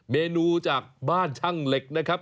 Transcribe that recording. เมนูจากบ้านช่างเหล็ก